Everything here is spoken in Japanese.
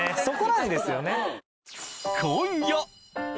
そこなんですよね